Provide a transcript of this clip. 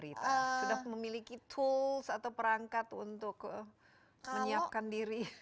sudah memiliki tools atau perangkat untuk menyiapkan diri